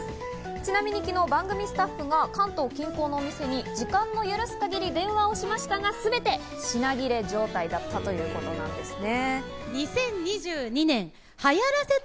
ちなみに昨日、番組スタッフが関東近郊のお店に時間の許す限り電話をしたのですが全て品切れ状態だったということなんですね。